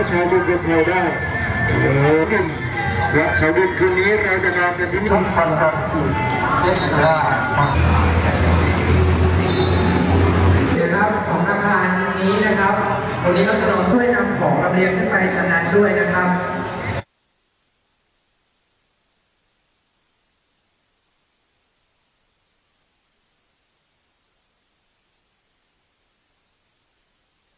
สวัสดีครับของทางร้านตรงนี้นะครับตรงนี้เราจะนอนด้วยนำของกับเรียนขึ้นไปชะนัดด้วยนะครับ